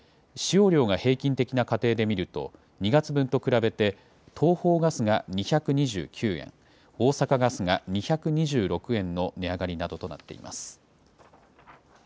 使用量が平均的な家庭で見ると、２月分と比べて東邦ガスが２２９円、大阪ガスが２２６円の値上がりなどとなっています。